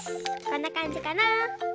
こんなかんじかな。